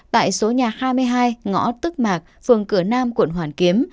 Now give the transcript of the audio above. tại số nhà hai mươi hai ngõ tức mạc phường cửa nam quận hoàn kiếm